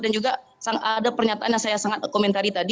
dan juga ada pernyataan yang saya sangat komentari tadi